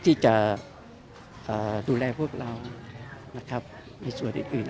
ที่จะดูแลพวกเรานะครับในส่วนอื่น